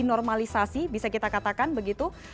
jadi normalisasi bisa kita katakan begitu